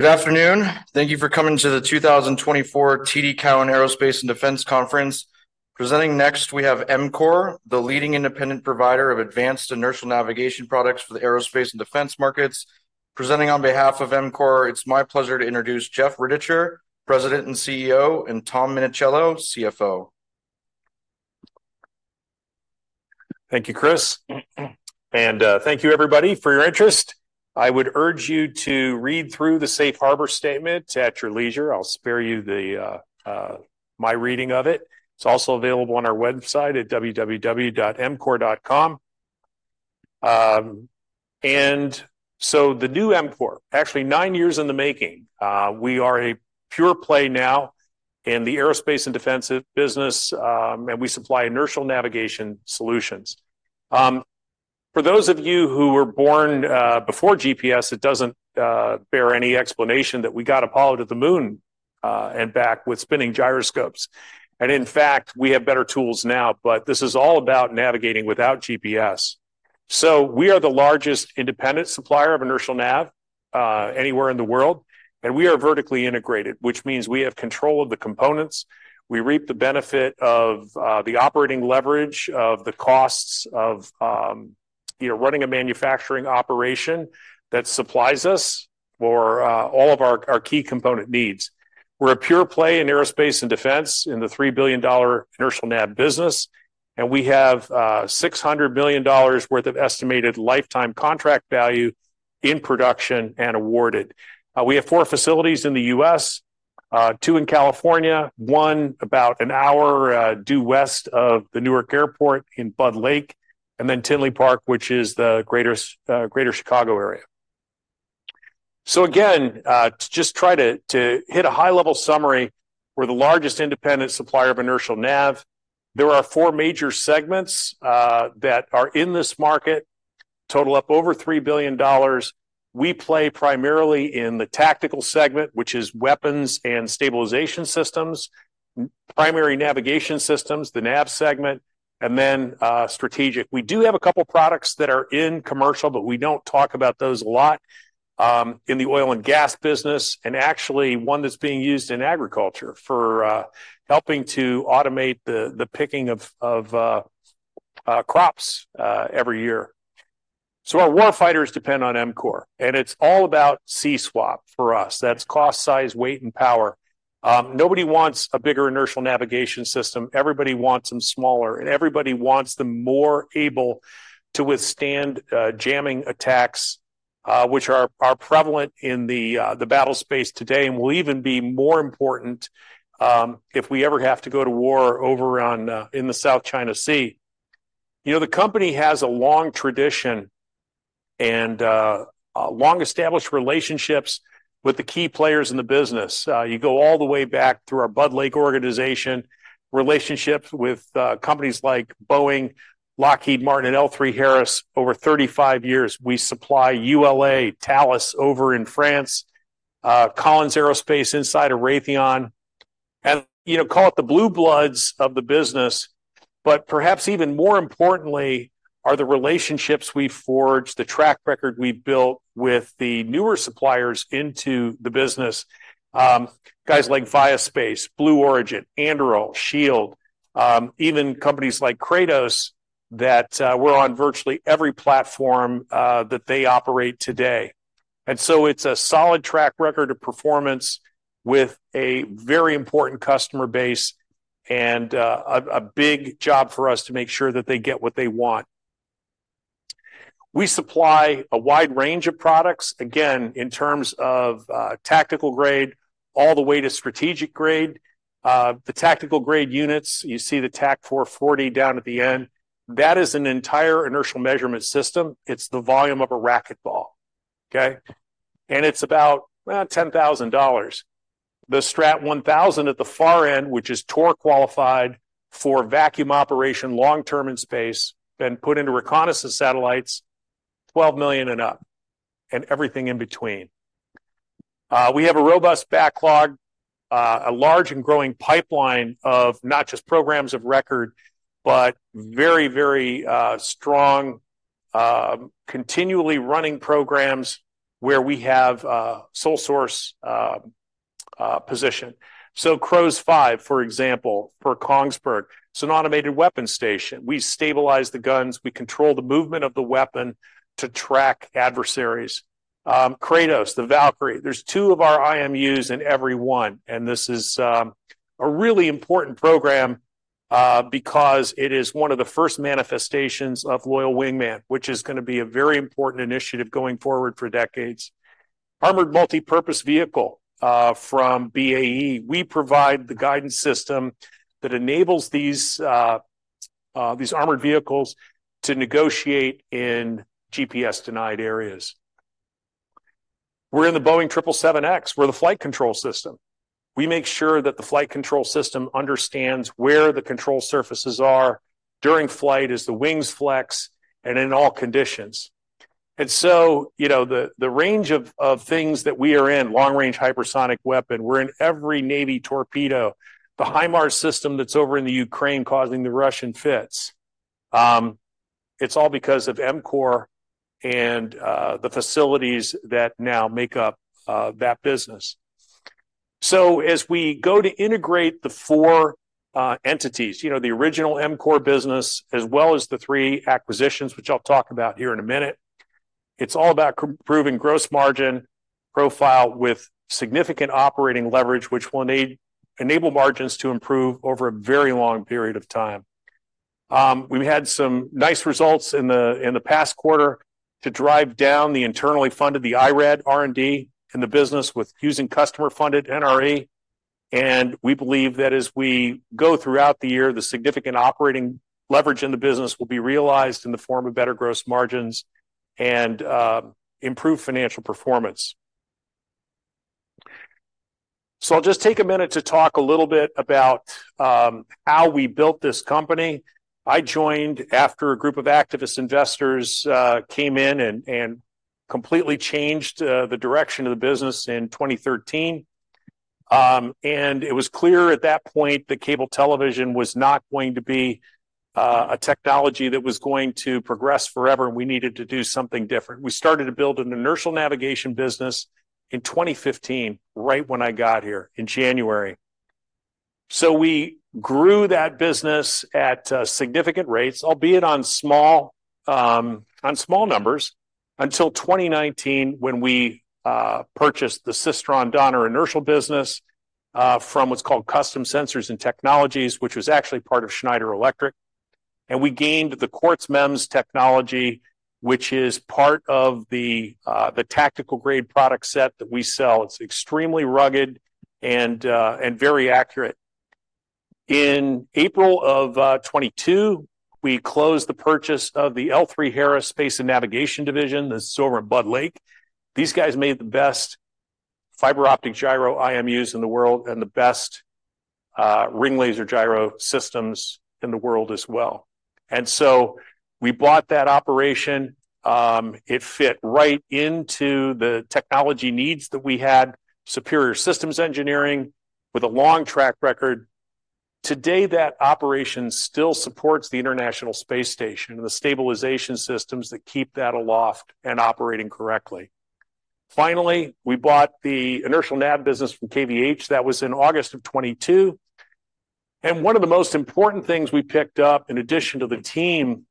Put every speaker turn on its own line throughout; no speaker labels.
Good afternoon. Thank you for coming to the 2024 TD Cowen Aerospace & Defense Conference. Presenting next, we have EMCORE, the leading independent provider of advanced inertial navigation products for the Aerospace & Defense markets. Presenting on behalf of EMCORE, it's my pleasure to introduce Jeff Rittichier, President and CEO, and Tom Minichiello, CFO.
Thank you, Chris. Thank you, everybody, for your interest. I would urge you to read through the Safe Harbor Statement at your leisure. I'll spare you my reading of it. It's also available on our website at www.emcore.com. So the new EMCORE, actually nine years in the making. We are a pure play now in the Aerospace & Defense business, and we supply inertial navigation solutions. For those of you who were born before GPS, it doesn't bear any explanation that we got Apollo to the moon and back with spinning gyroscopes. In fact, we have better tools now, but this is all about navigating without GPS. So we are the largest independent supplier of inertial nav anywhere in the world, and we are vertically integrated, which means we have control of the components. We reap the benefit of the operating leverage of the costs of running a manufacturing operation that supplies us for all of our key component needs. We're a pure play in Aerospace & Defense in the $3 billion inertial nav business, and we have $600 million worth of estimated lifetime contract value in production and awarded. We have four facilities in the U.S., two in California, one about an hour due west of the Newark Airport in Budd Lake, and then Tinley Park, which is the greater Chicago area. So again, to just try to hit a high-level summary, we're the largest independent supplier of inertial nav. There are four major segments that are in this market, total up over $3 billion. We play primarily in the tactical segment, which is weapons and stabilization systems, primary navigation systems, the nav segment, and then strategic. We do have a couple of products that are in commercial, but we don't talk about those a lot in the oil and gas business, and actually one that's being used in agriculture for helping to automate the picking of crops every year. So our war fighters depend on EMCORE, and it's all about CSWaP for us. That's cost, size, weight, and power. Nobody wants a bigger inertial navigation system. Everybody wants them smaller, and everybody wants them more able to withstand jamming attacks, which are prevalent in the battle space today, and will even be more important if we ever have to go to war over in the South China Sea. You know, the company has a long tradition and long-established relationships with the key players in the business. You go all the way back through our Budd Lake organization, relationships with companies like Boeing, Lockheed Martin, and L3Harris over 35 years. We supply ULA, Thales over in France, Collins Aerospace inside of Raytheon. And you know, call it the blue bloods of the business, but perhaps even more importantly are the relationships we've forged, the track record we've built with the newer suppliers into the business, guys like SpaceX, Blue Origin, Anduril, Shield AI, even companies like Kratos that we're on virtually every platform that they operate today. And so it's a solid track record of performance with a very important customer base and a big job for us to make sure that they get what they want. We supply a wide range of products, again, in terms of tactical grade all the way to strategic grade. The tactical grade units, you see the TAC-440 down at the end, that is an entire inertial measurement system. It's the volume of a racquetball, okay? And it's about $10,000. The STRAT-1000 at the far end, which is Torr qualified for vacuum operation long-term in space, then put into reconnaissance satellites, $12 million and up, and everything in between. We have a robust backlog, a large and growing pipeline of not just programs of record, but very, very strong, continually running programs where we have sole source position. So CROWS-5, for example, for Kongsberg, it's an automated weapon station. We stabilize the guns. We control the movement of the weapon to track adversaries. Kratos, the Valkyrie, there's 2 of our IMUs in every one, and this is a really important program because it is one of the first manifestations of loyal wingman, which is going to be a very important initiative going forward for decades. Armored Multipurpose Vehicle from BAE, we provide the guidance system that enables these armored vehicles to negotiate in GPS-denied areas. We're in the Boeing 777X, we're the flight control system. We make sure that the flight control system understands where the control surfaces are during flight as the wings flex and in all conditions. And so, you know, the range of things that we are in, Long-Range Hypersonic Weapon, we're in every Navy torpedo, the HIMARS system that's over in the Ukraine causing the Russian fits. It's all because of EMCORE and the facilities that now make up that business. So as we go to integrate the four entities, you know, the original EMCORE business, as well as the three acquisitions, which I'll talk about here in a minute, it's all about improving gross margin profile with significant operating leverage, which will enable margins to improve over a very long period of time. We've had some nice results in the past quarter to drive down the internally funded IRAD, R&D, in the business with using customer-funded NRE. And we believe that as we go throughout the year, the significant operating leverage in the business will be realized in the form of better gross margins and improved financial performance. So I'll just take a minute to talk a little bit about how we built this company. I joined after a group of activist investors came in and completely changed the direction of the business in 2013. It was clear at that point that cable television was not going to be a technology that was going to progress forever, and we needed to do something different. We started to build an inertial navigation business in 2015, right when I got here, in January. We grew that business at significant rates, albeit on small numbers, until 2019 when we purchased the Systron Donner Inertial business from what's called Custom Sensors and Technologies, which was actually part of Schneider Electric. We gained the Quartz MEMS technology, which is part of the tactical grade product set that we sell. It's extremely rugged and very accurate. In April of 2022, we closed the purchase of the L3Harris Space and Navigation Division that's over in Budd Lake. These guys made the best fiber optic gyro IMUs in the world and the best ring laser gyro systems in the world as well. And so we bought that operation. It fit right into the technology needs that we had, superior systems engineering with a long track record. Today, that operation still supports the International Space Station and the stabilization systems that keep that aloft and operating correctly. Finally, we bought the inertial nav business from KVH that was in August 2022. And one of the most important things we picked up, in addition to the team,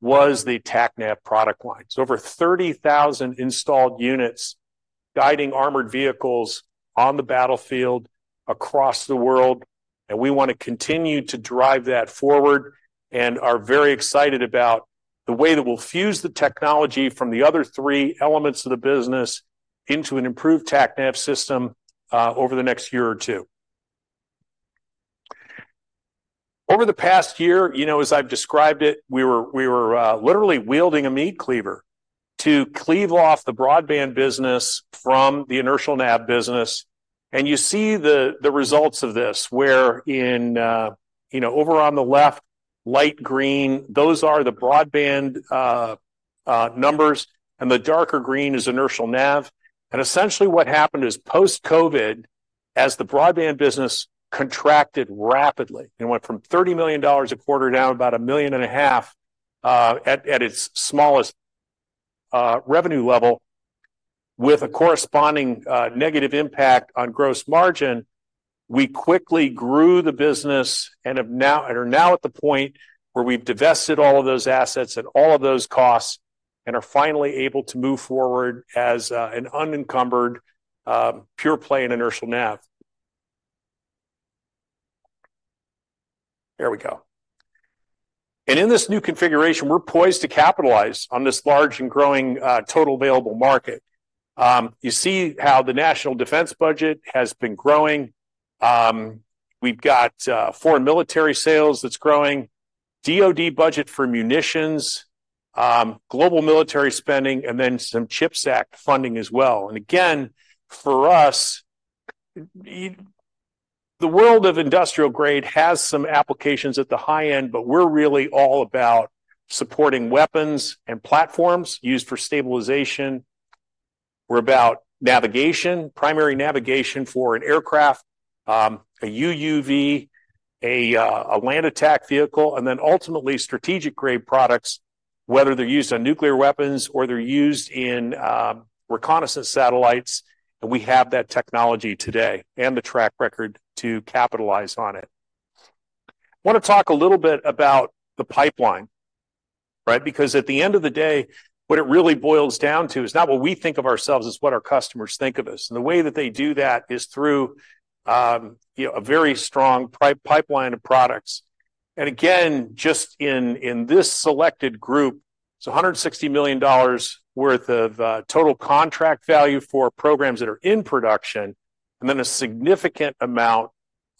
was the TACNAV product lines, over 30,000 installed units guiding armored vehicles on the battlefield across the world. We want to continue to drive that forward and are very excited about the way that we'll fuse the technology from the other three elements of the business into an improved TACNAV system over the next year or two. Over the past year, you know, as I've described it, we were literally wielding a meat cleaver to cleave off the broadband business from the inertial nav business. You see the results of this where in, you know, over on the left, light green, those are the broadband numbers, and the darker green is inertial nav. Essentially what happened is post-COVID, as the broadband business contracted rapidly and went from $30 million a quarter down about $1.5 million at its smallest revenue level, with a corresponding negative impact on gross margin, we quickly grew the business and are now at the point where we've divested all of those assets and all of those costs and are finally able to move forward as an unencumbered pure play in inertial nav. There we go. In this new configuration, we're poised to capitalize on this large and growing total available market. You see how the national defense budget has been growing. We've got foreign military sales that's growing, DOD budget for munitions, global military spending, and then some CHIPS Act funding as well. Again, for us, the world of industrial grade has some applications at the high end, but we're really all about supporting weapons and platforms used for stabilization. We're about navigation, primary navigation for an aircraft, a UUV, a land attack vehicle, and then ultimately strategic grade products, whether they're used on nuclear weapons or they're used in reconnaissance satellites. And we have that technology today and the track record to capitalize on it. I want to talk a little bit about the pipeline, right? Because at the end of the day, what it really boils down to is not what we think of ourselves, it's what our customers think of us. And the way that they do that is through, you know, a very strong pipeline of products. And again, just in this selected group, it's $160 million worth of total contract value for programs that are in production, and then a significant amount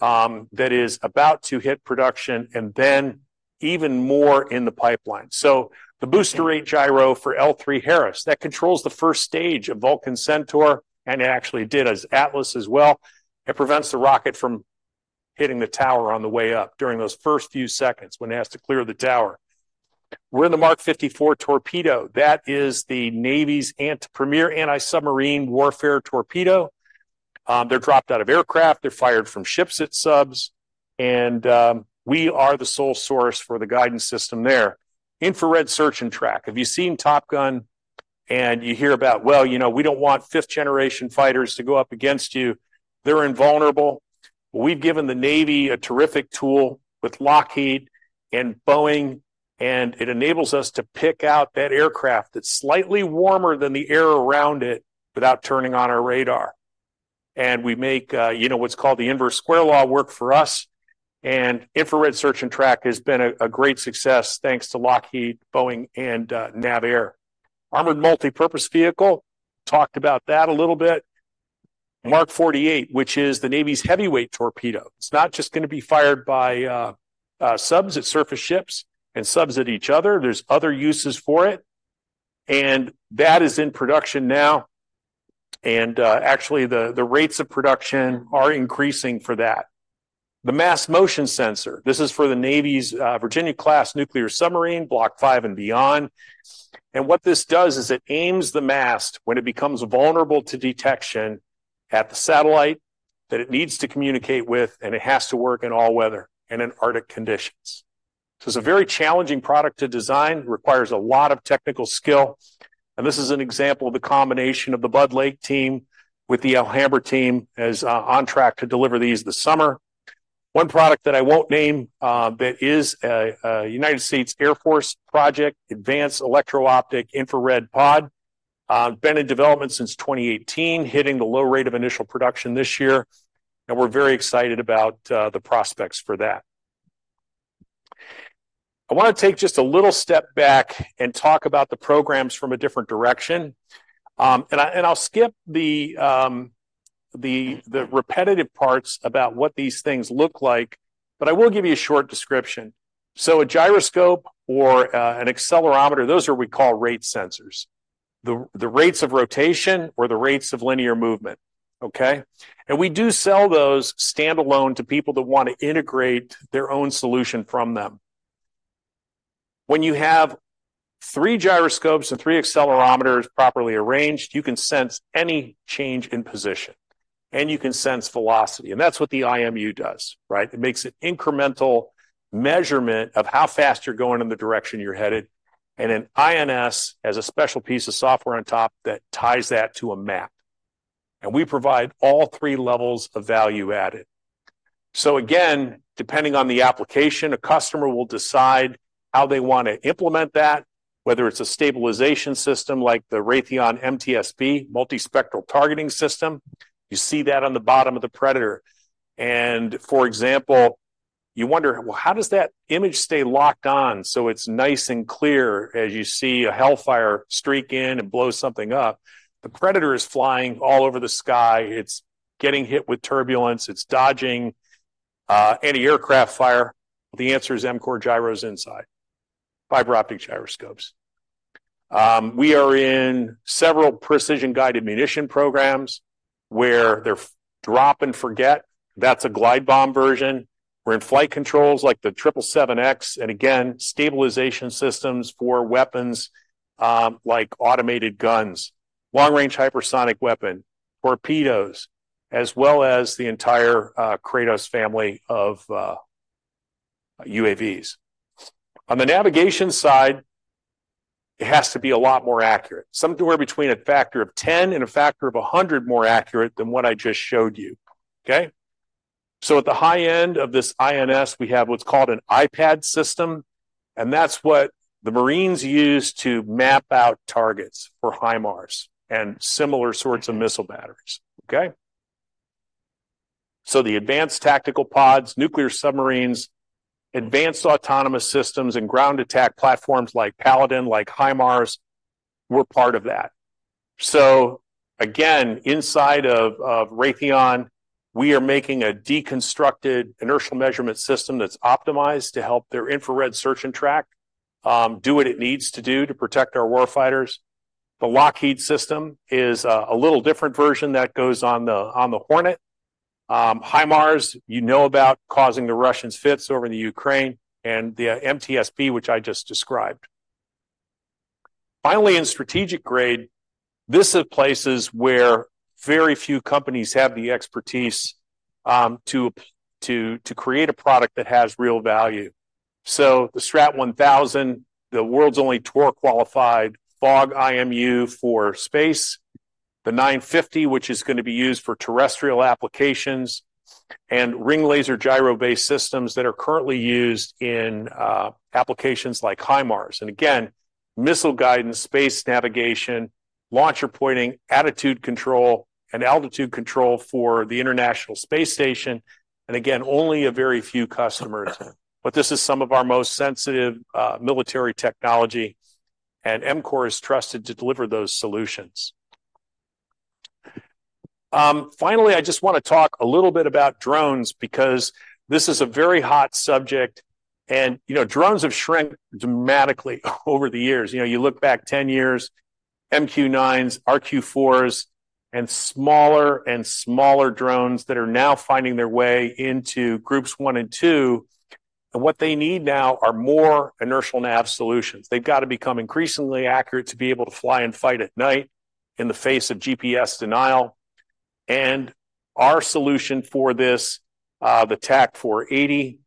that is about to hit production and then even more in the pipeline. So the booster rate gyro for L3Harris, that controls the first stage of Vulcan Centaur, and it actually did as Atlas as well. It prevents the rocket from hitting the tower on the way up during those first few seconds when it has to clear the tower. We're in the Mark 54 torpedo. That is the Navy's premier anti-submarine warfare torpedo. They're dropped out of aircraft. They're fired from ships at subs. And we are the sole source for the guidance system there. Infrared Search and Track. Have you seen Top Gun? And you hear about, well, you know, we don't want fifth-generation fighters to go up against you. They're invulnerable. We've given the Navy a terrific tool with Lockheed and Boeing, and it enables us to pick out that aircraft that's slightly warmer than the air around it without turning on our radar. And we make, you know, what's called the inverse square law work for us. And Infrared Search and Track has been a great success thanks to Lockheed, Boeing, and NAVAIR. Armored Multipurpose Vehicle, talked about that a little bit. Mark 48, which is the Navy's heavyweight torpedo. It's not just going to be fired by subs at surface ships and subs at each other. There's other uses for it. And that is in production now. And actually, the rates of production are increasing for that. The mast motion sensor, this is for the Navy's Virginia-class nuclear submarine, Block V and beyond. What this does is it aims the mast when it becomes vulnerable to detection at the satellite that it needs to communicate with, and it has to work in all weather and in Arctic conditions. It's a very challenging product to design, requires a lot of technical skill. This is an example of the combination of the Budd Lake team with the Alhambra team on track to deliver these this summer. One product that I won't name that is a United States Air Force project, Advanced Electro-Optic Infrared Pod. Been in development since 2018, hitting the low rate of initial production this year. We're very excited about the prospects for that. I want to take just a little step back and talk about the programs from a different direction. I'll skip the repetitive parts about what these things look like, but I will give you a short description. So a gyroscope or an accelerometer, those are what we call rate sensors, the rates of rotation or the rates of linear movement, okay? We do sell those standalone to people that want to integrate their own solution from them. When you have three gyroscopes and three accelerometers properly arranged, you can sense any change in position. You can sense velocity. That's what the IMU does, right? It makes an incremental measurement of how fast you're going in the direction you're headed. An INS has a special piece of software on top that ties that to a map. We provide all three levels of value added. So again, depending on the application, a customer will decide how they want to implement that, whether it's a stabilization system like the Raytheon MTS-B, multi-spectral targeting system. You see that on the bottom of the Predator. And for example, you wonder, well, how does that image stay locked on so it's nice and clear as you see a Hellfire streak in and blow something up? The Predator is flying all over the sky. It's getting hit with turbulence. It's dodging any aircraft fire. The answer is EMCORE gyros inside, fiber optic gyroscopes. We are in several precision guided munition programs where they're drop and forget. That's a glide bomb version. We're in flight controls like the 777X and again, stabilization systems for weapons like automated guns, long-range hypersonic weapon, torpedoes, as well as the entire Kratos family of UAVs. On the navigation side, it has to be a lot more accurate, somewhere between a factor of 10 and a factor of 100 more accurate than what I just showed you, okay? So at the high end of this INS, we have what's called an IPADS system. And that's what the Marines use to map out targets for HIMARS and similar sorts of missile batteries, okay? So the advanced tactical pods, nuclear submarines, advanced autonomous systems, and ground attack platforms like Paladin, like HIMARS, were part of that. So again, inside of Raytheon, we are making a deconstructed inertial measurement system that's optimized to help their Infrared Search and Track do what it needs to do to protect our warfighters. The Lockheed system is a little different version that goes on the Hornet. HIMARS, you know about causing the Russians fits over in Ukraine and the MTS-B, which I just described. Finally, in strategic grade, this is places where very few companies have the expertise to create a product that has real value. So the STRAT-1000, the world's only TOR qualified FOG IMU for space, the 950, which is going to be used for terrestrial applications, and ring laser gyro-based systems that are currently used in applications like HIMARS. And again, missile guidance, space navigation, launcher pointing, attitude control, and altitude control for the International Space Station. And again, only a very few customers, but this is some of our most sensitive military technology. And EMCORE is trusted to deliver those solutions. Finally, I just want to talk a little bit about drones because this is a very hot subject. And you know, drones have shrunk dramatically over the years. You know, you look back 10 years, MQ-9s, RQ-4s, and smaller and smaller drones that are now finding their way into groups one and two. And what they need now are more inertial nav solutions. They've got to become increasingly accurate to be able to fly and fight at night in the face of GPS denial. And our solution for this, the TAC-480,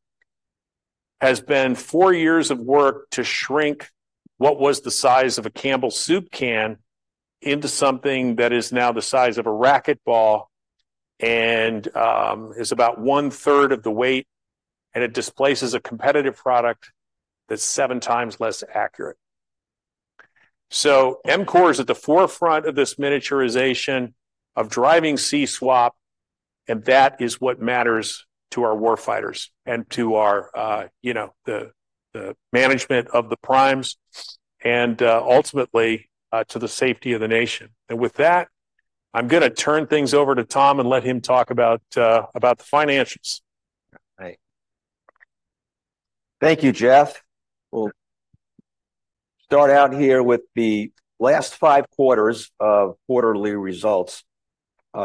has been four years of work to shrink what was the size of a Campbell soup can into something that is now the size of a racquetball and is about one third of the weight. And it displaces a competitive product that's seven times less accurate. So EMCORE is at the forefront of this miniaturization of driving CSWaP. And that is what matters to our warfighters and to our, you know, the management of the primes and ultimately to the safety of the nation. And with that, I'm going to turn things over to Tom and let him talk about the financials.
All right. Thank you, Jeff. We'll start out here with the last five quarters of quarterly results,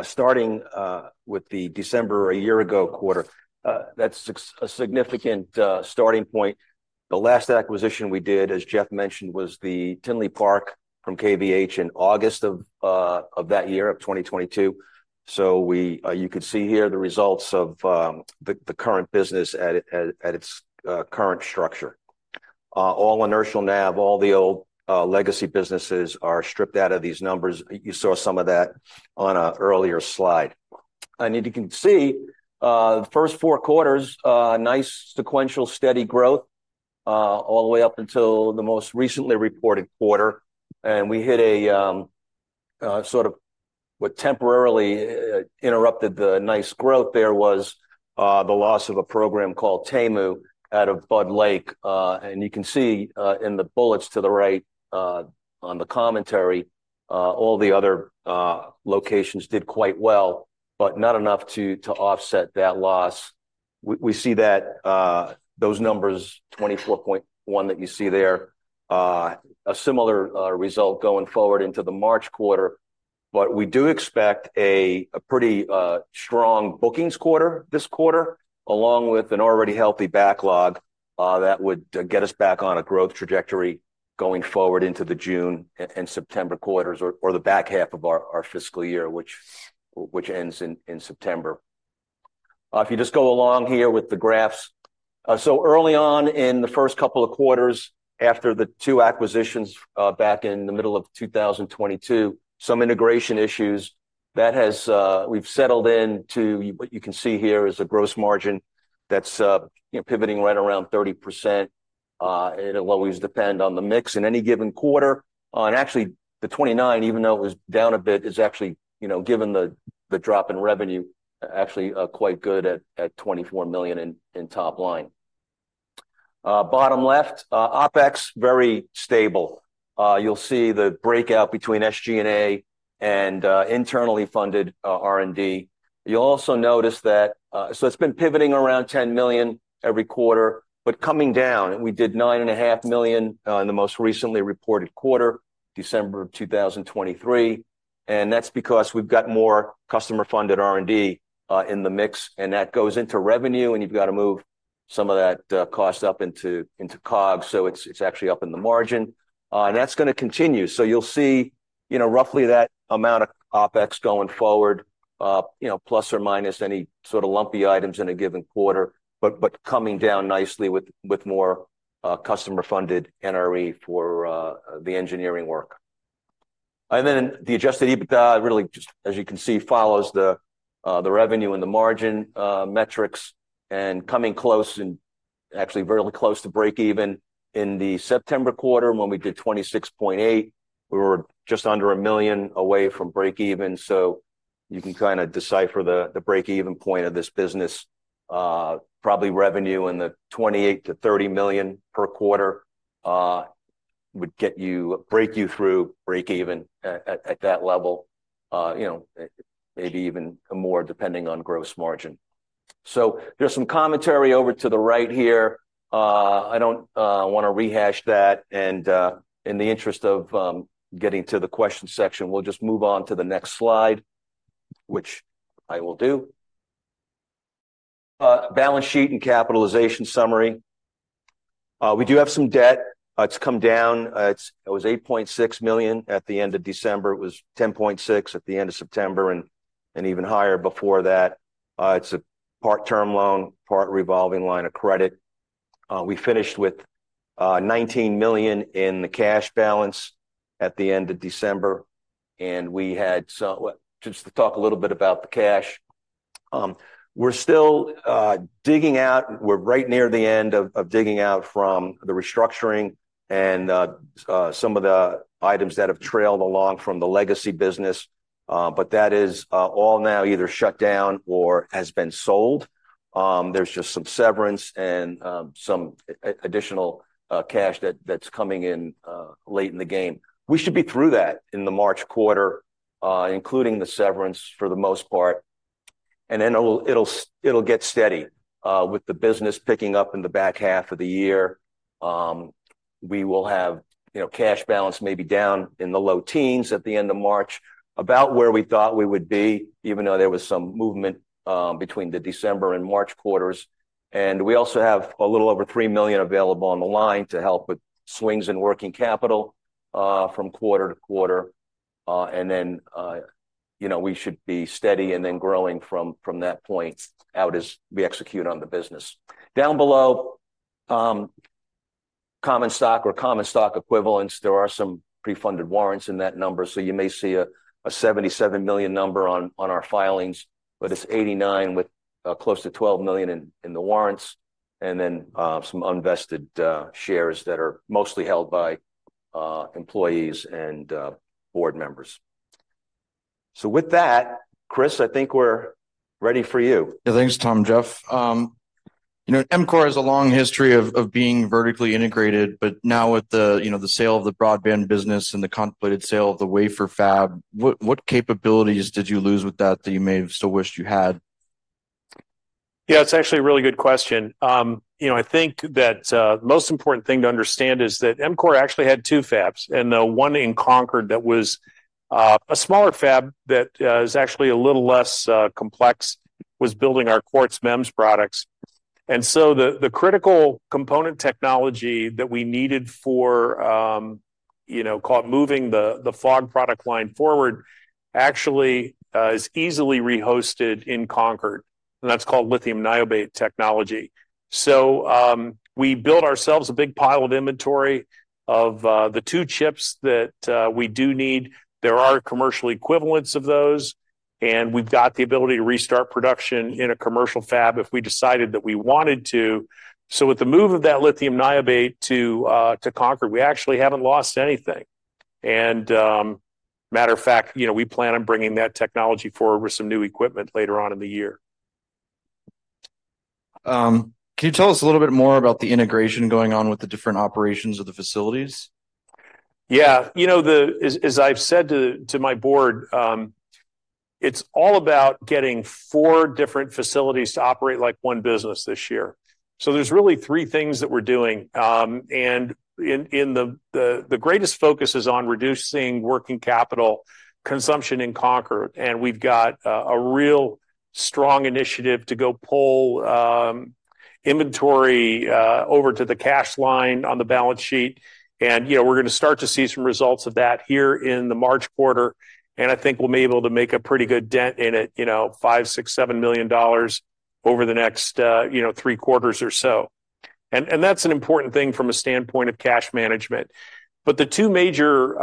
starting with the December a year ago quarter. That's a significant starting point. The last acquisition we did, as Jeff mentioned, was the Tinley Park from KVH in August of that year, 2022. So you could see here the results of the current business at its current structure. All inertial nav, all the old legacy businesses are stripped out of these numbers. You saw some of that on an earlier slide. And you can see the first four quarters, nice sequential steady growth all the way up until the most recently reported quarter. And we hit a sort of what temporarily interrupted the nice growth there was the loss of a program called TAIMU out of Budd Lake. And you can see in the bullets to the right on the commentary, all the other locations did quite well, but not enough to offset that loss. We see that those numbers, 24.1 that you see there, a similar result going forward into the March quarter. But we do expect a pretty strong bookings quarter this quarter, along with an already healthy backlog that would get us back on a growth trajectory going forward into the June and September quarters or the back half of our fiscal year, which ends in September. If you just go along here with the graphs. So early on in the first couple of quarters after the two acquisitions back in the middle of 2022, some integration issues. We've settled into what you can see here is a gross margin that's, you know, pivoting right around 30%. It'll always depend on the mix in any given quarter. And actually, the 29%, even though it was down a bit, is actually, you know, given the drop in revenue, actually quite good at $24 million in top line. Bottom left, OpEx, very stable. You'll see the breakout between SG&A and internally funded R&D. You'll also notice that so it's been pivoting around $10 million every quarter, but coming down, we did $9.5 million in the most recently reported quarter, December of 2023. And that's because we've got more customer-funded R&D in the mix. And that goes into revenue. And you've got to move some of that cost up into COGS. So it's actually up in the margin. And that's going to continue. So you'll see, you know, roughly that amount of OpEx going forward, you know, plus or minus any sort of lumpy items in a given quarter, but coming down nicely with more customer-funded NRE for the engineering work. And then the adjusted EBITDA really just, as you can see, follows the revenue and the margin metrics and coming close and actually very close to break-even in the September quarter when we did $26.8 million. We were just under $1 million away from break-even. So you can kind of decipher the break-even point of this business. Probably revenue in the $28 million-$30 million per quarter would get you break you through break-even at that level, you know, maybe even more depending on gross margin. So there's some commentary over to the right here. I don't want to rehash that. In the interest of getting to the question section, we'll just move on to the next slide, which I will do. Balance sheet and capitalization summary. We do have some debt. It's come down. It was $8.6 million at the end of December. It was $10.6 million at the end of September and even higher before that. It's a part term loan, part revolving line of credit. We finished with $19 million in the cash balance at the end of December. And we had some just to talk a little bit about the cash. We're still digging out. We're right near the end of digging out from the restructuring and some of the items that have trailed along from the legacy business. But that is all now either shut down or has been sold. There's just some severance and some additional cash that's coming in late in the game. We should be through that in the March quarter, including the severance for the most part. Then it'll get steady with the business picking up in the back half of the year. We will have, you know, cash balance maybe down in the low teens at the end of March, about where we thought we would be, even though there was some movement between the December and March quarters. We also have a little over $3 million available on the line to help with swings in working capital from quarter to quarter. Then, you know, we should be steady and then growing from that point out as we execute on the business. Down below, common stock or common stock equivalents. There are some pre-funded warrants in that number. So you may see a $77 million number on our filings, but it's $89 million with close to $12 million in the warrants and then some unvested shares that are mostly held by employees and board members. So with that, Chris, I think we're ready for you.
Yeah, thanks, Tom, Jeff. You know, EMCORE has a long history of being vertically integrated. But now with the, you know, the sale of the broadband business and the contemplated sale of the wafer fab, what capabilities did you lose with that that you may have still wished you had?
Yeah, it's actually a really good question. You know, I think that the most important thing to understand is that EMCORE actually had two fabs. And the one in Concord that was a smaller fab that is actually a little less complex was building our Quartz MEMS products. The critical component technology that we needed for, you know, call it moving the FOG product line forward actually is easily rehosted in Concord. And that's called Lithium Niobate technology. So we built ourselves a big pile of inventory of the two chips that we do need. There are commercial equivalents of those. And we've got the ability to restart production in a commercial fab if we decided that we wanted to. So with the move of that Lithium Niobate to Concord, we actually haven't lost anything. And matter of fact, you know, we plan on bringing that technology forward with some new equipment later on in the year.
Can you tell us a little bit more about the integration going on with the different operations of the facilities? Yeah, you know, as I've said to my board, it's all about getting four different facilities to operate like one business this year. So there's really three things that we're doing. And in the greatest focus is on reducing working capital consumption in Concord. And we've got a real strong initiative to go pull inventory over to the cash line on the balance sheet. And, you know, we're going to start to see some results of that here in the March quarter. And I think we'll be able to make a pretty good dent in it, you know, $5 million-$7 million over the next, you know, three quarters or so. And that's an important thing from a standpoint of cash management. But the two major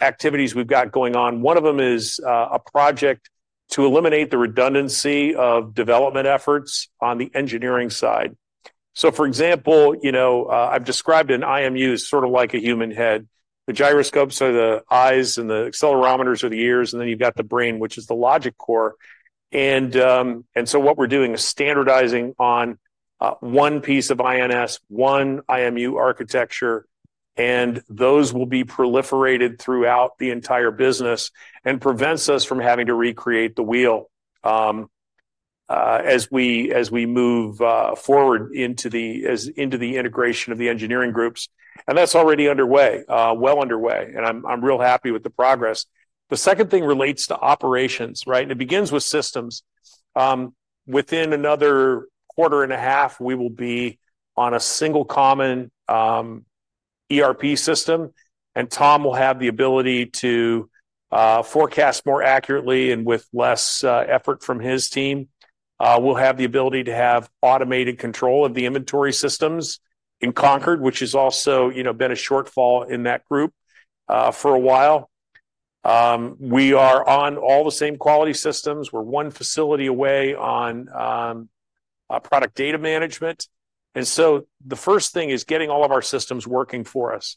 activities we've got going on, one of them is a project to eliminate the redundancy of development efforts on the engineering side. So, for example, you know, I've described an IMU as sort of like a human head. The gyroscopes are the eyes and the accelerometers are the ears. And then you've got the brain, which is the logic core. And so what we're doing is standardizing on one piece of INS, one IMU architecture. And those will be proliferated throughout the entire business and prevents us from having to recreate the wheel as we move forward into the integration of the engineering groups. And that's already underway, well underway. And I'm real happy with the progress. The second thing relates to operations, right? And it begins with systems. Within another quarter and a half, we will be on a single common ERP system. And Tom will have the ability to forecast more accurately and with less effort from his team. We'll have the ability to have automated control of the inventory systems in Concord, which has also, you know, been a shortfall in that group for a while. We are on all the same quality systems. We're one facility away on product data management. And so the first thing is getting all of our systems working for us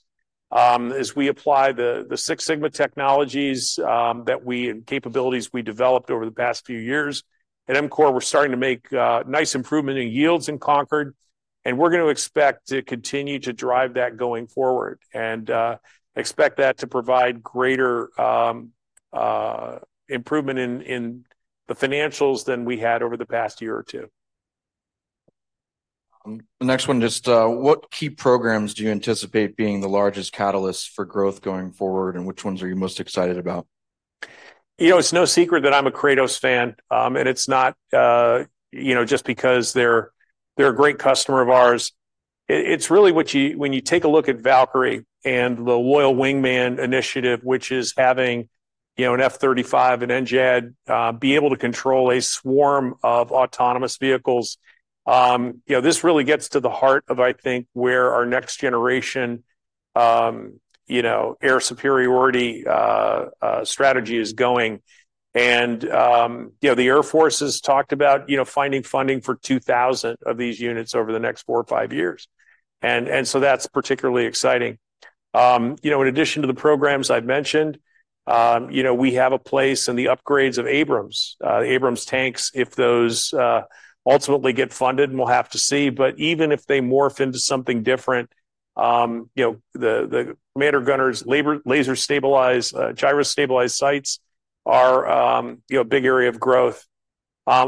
as we apply the Six Sigma technologies that we and capabilities we developed over the past few years. At EMCORE, we're starting to make nice improvement in yields in Concord. And we're going to expect to continue to drive that going forward and expect that to provide greater improvement in the financials than we had over the past year or two. The next one, just what key programs do you anticipate being the largest catalysts for growth going forward? And which ones are you most excited about?
You know, it's no secret that I'm a Kratos fan. And it's not, you know, just because they're a great customer of ours. It's really what you when you take a look at Valkyrie and the Loyal Wingman initiative, which is having, you know, an F-35 and NGAD be able to control a swarm of autonomous vehicles. You know, this really gets to the heart of, I think, where our next generation, you know, air superiority strategy is going. And, you know, the Air Force has talked about, you know, finding funding for 2,000 of these units over the next four or five years. And so that's particularly exciting. You know, in addition to the programs I've mentioned, you know, we have a place in the upgrades of Abrams, the Abrams tanks, if those ultimately get funded, and we'll have to see. But even if they morph into something different, you know, the commander and gunner-laser stabilized sights are, you know, a big area of growth.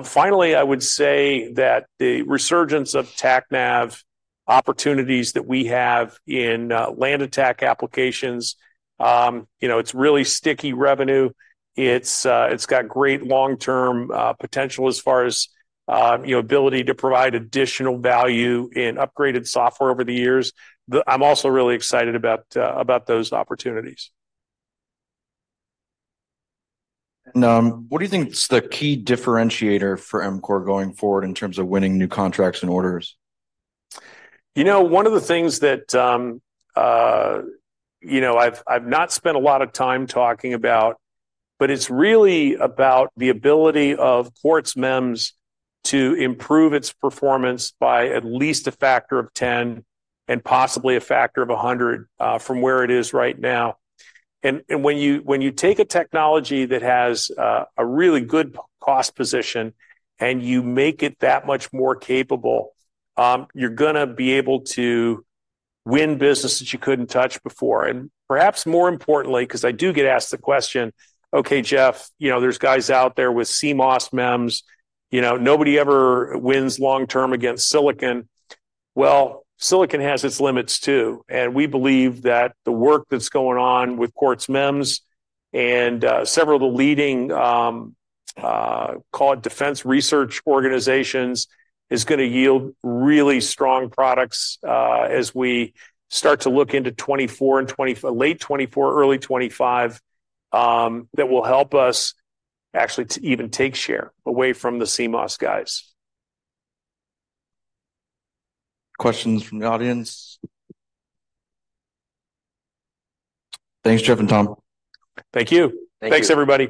Finally, I would say that the resurgence of TACNAV opportunities that we have in land attack applications, you know, it's really sticky revenue. It's got great long-term potential as far as, you know, ability to provide additional value in upgraded software over the years. I'm also really excited about those opportunities. And what do you think is the key differentiator for EMCORE going forward in terms of winning new contracts and orders? You know, one of the things that, you know, I've not spent a lot of time talking about, but it's really about the ability of quartz MEMS to improve its performance by at least a factor of 10 and possibly a factor of 100 from where it is right now. And when you take a technology that has a really good cost position and you make it that much more capable, you're going to be able to win business that you couldn't touch before. And perhaps more importantly, because I do get asked the question, "Okay, Jeff, you know, there's guys out there with CMOS MEMS. You know, nobody ever wins long-term against silicon." Well, silicon has its limits too. And we believe that the work that's going on with Quartz MEMS and several of the leading, call it, defense research organizations is going to yield really strong products as we start to look into 2024 and late 2024, early 2025 that will help us actually to even take share away from the CMOS guys.
Questions from the audience? Thanks, Jeff and Tom.
Thank you.
Thanks, everybody.